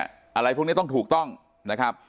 อะไรพวกนี้ต้องถูกต้องนะครับ